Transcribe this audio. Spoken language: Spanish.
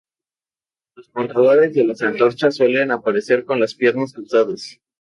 Los portadores de las antorchas suelen aparecer con las piernas cruzadas.